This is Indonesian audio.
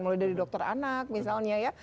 mulai dari dokter anak misalnya ya